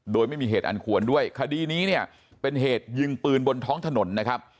โดยไม่มีเหตุอันควรด้วยคดีนี้เนี่ยเป็นเหตุยิงปืนบนท้องถนนนะครับ